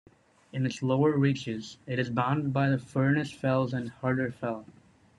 In its lower reaches it is bounded by the Furness Fells and Harter Fell.